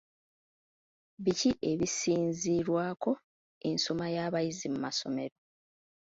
Biki ebisinziirwako ensoma y'abayizi mu masomero.